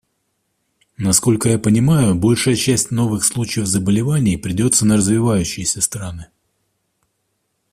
Насколько я понимаю, большая часть новых случаев заболеваний придется на развивающиеся страны.